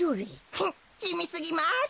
フッじみすぎます。